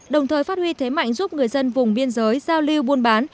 đồng thời phát huy thế mạnh giúp người dân vùng biên giới giao lưu buôn bán